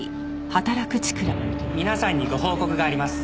「皆さんにご報告があります」